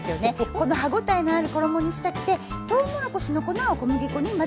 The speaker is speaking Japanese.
この歯応えのある衣にしたくてとうもろこしの粉を小麦粉に混ぜているんですね。